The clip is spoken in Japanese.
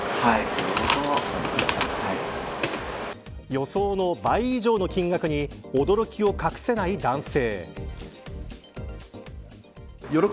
予想の倍以上の金額に驚きを隠せない男性。